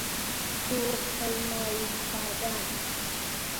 کوه پیمایی کردن